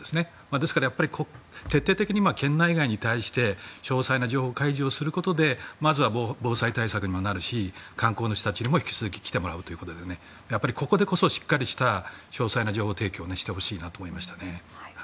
ですから徹底的に県内外に対して詳細な情報開示をすることでまずは防災対策にもなるし観光にも引き続きてもらうということでここでこそ、しっかりした詳細な情報提供をしてほしいなと思いましたね。